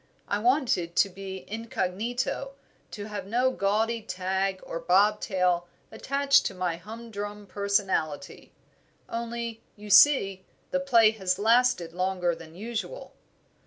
I wanted to be incognito, to have no gaudy tag or bobtail attached to my hum drum personality; only, you see, the play has lasted longer than usual."